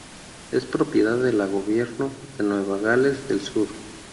Es propiedad de la Gobierno de Nueva Gales del Sur.